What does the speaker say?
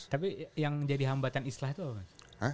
tapi yang jadi hambatan islah itu apa